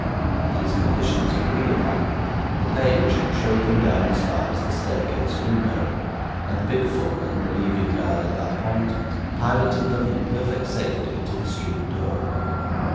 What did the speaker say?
These conditions agreed upon, the page showed them down as far as the staircase window; and the big footman, relieving guard at that point, piloted them in perfect safety to the street door.